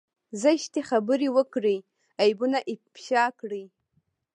زشتې خبرې وکړي عيبونه افشا کړي.